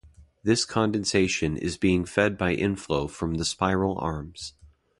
This condensation is being fed by inflow from the spiral arms.